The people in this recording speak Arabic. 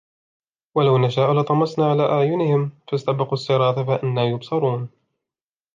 ولو نشاء لطمسنا على أعينهم فاستبقوا الصراط فأنى يبصرون